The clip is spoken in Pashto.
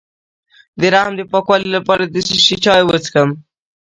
د رحم د پاکوالي لپاره د څه شي چای وڅښم؟